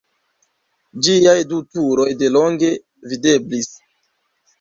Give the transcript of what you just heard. Ĝiaj du turoj de longe videblis.